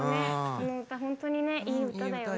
この歌本当にねいい歌だよね。